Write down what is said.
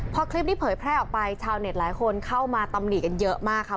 พอคลิปนี้เผยแพร่ออกไปชาวเน็ตหลายคนเข้ามาตำหนิกันเยอะมากค่ะ